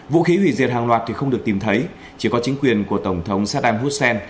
vũ khí hủy diệt hàng loạt thì không được tìm thấy chỉ có chính quyền của tổng thống serdam brussel